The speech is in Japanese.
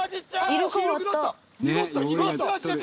色変わった。